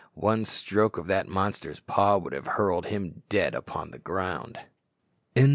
One stroke of that monster's paw would have hurled him dead upon the ground.